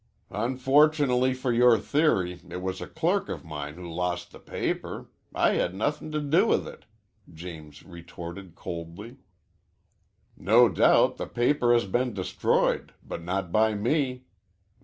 "Unfortunately for your theory it was a clerk of mine who lost the paper. I had nothing to do with it," James retorted coldly. "No doubt the paper has been destroyed, but not by me.